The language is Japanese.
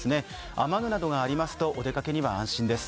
雨具などがありますとお出かけには安心です。